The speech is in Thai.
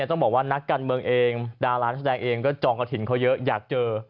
ต้องบอกว่านักการเมืองเองดารานักแสดงเองก็จองกระถิ่นเขาเยอะอยากเจอ